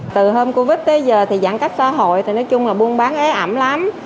từ hôm covid tới giờ thì giãn cách xã hội thì nói chung là buôn bán ế ẩm lắm